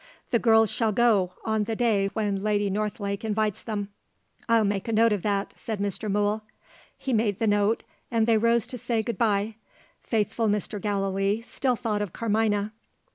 "The girls shall go, on the day when Lady Northlake invites them." "I'll make a note of that," said Mr. Mool. He made the note; and they rose to say good bye. Faithful Mr. Gallilee still thought of Carmina.